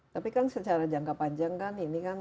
tapi kan secara jangka panjang kan ini kan